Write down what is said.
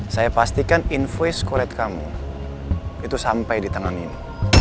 saya pastikan invoice kuret kamu itu sampai di tangan ini